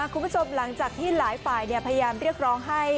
คุณผู้ชมหลังจากที่หลายฝ่ายพยายามเรียกร้องให้